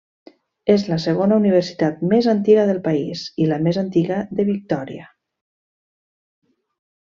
És la segona universitat més antiga del país, i la més antiga de Victòria.